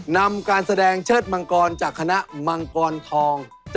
นำการแสดงเชิดมังกรจากคณะมังกรทอง